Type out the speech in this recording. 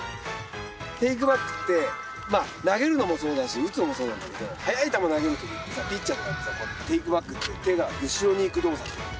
テイクバックって投げるのもそうだし打つのもそうなんだけど速い球投げるときってさピッチャーとかってさこうやってテイクバックっていう手が後ろにいく動作なの。